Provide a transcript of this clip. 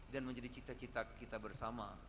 dan menjadi cita cita kita bersama